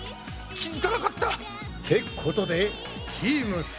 気付かなかった！ってことでチームす